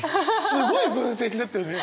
すごい分析だったよね！